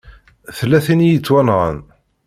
Tella tin i yettwanɣan.